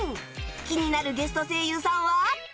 気になるゲスト声優さんは